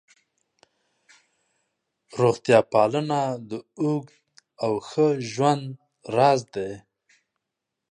روغتیا پالنه د اوږد او ښه ژوند راز دی.